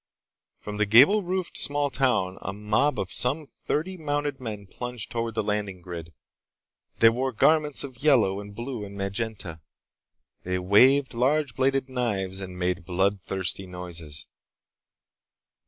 From the gable roofed small town a mob of some thirty mounted men plunged toward the landing grid. They wore garments of yellow and blue and magenta. They waved large bladed knives and made bloodthirsty noises.